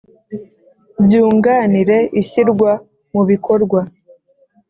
Byunganire ishyirwa mu bikorwa